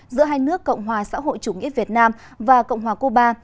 giữa hai nước cộng hòa xã hội chủ nghĩa việt nam và cộng hòa cuba